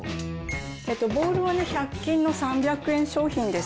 ボウルはね１００均の３００円商品です。